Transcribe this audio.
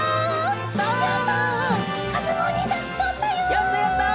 やったやった！